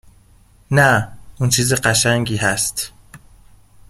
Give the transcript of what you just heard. نه، اون چیز قشنگی هست